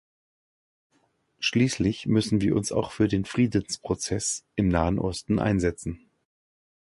Schließlich müssen wir uns auch für den Friedensprozess im Nahen Osten einsetzen.